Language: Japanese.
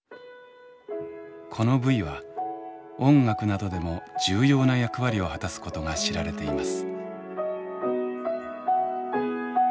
この部位は音楽などでも重要な役割を果たすことが知られています。